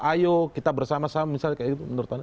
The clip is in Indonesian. ayo kita bersama sama misalnya kayak itu menurut anda